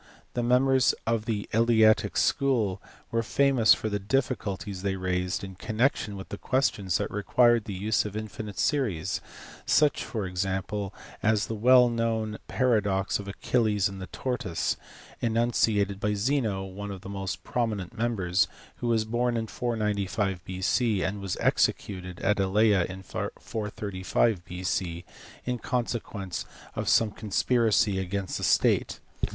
The members of the Eleatic School were famous for the difficulties they raised in con nection with questions that required the use of infinite series, such for example as the well known paradox of Achilles and the tortoise, enunciated by Zeno, one of their most prominent members, who was born in 495 B.C., and was executed at Elea in 435 B.C. in consequence of some conspiracy against tfte state.